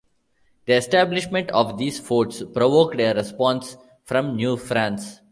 The establishment of these forts provoked a response from New France.